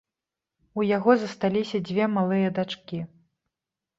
У яго засталіся дзве малыя дачкі.